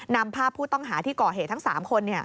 นำภาพผู้ต้องหาที่ก่อเหตุทั้ง๓คน